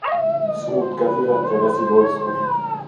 Suut kävivät ja vesi loiskui.